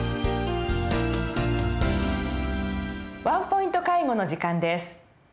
「ワンポイント介護」の時間です。